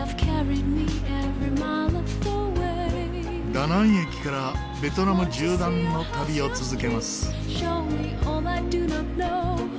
ダナン駅からベトナム縦断の旅を続けます。